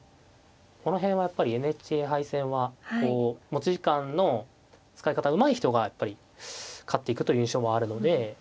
この辺はやっぱりＮＨＫ杯戦はこう持ち時間の使い方がうまい人がやっぱり勝っていくという印象もあるので。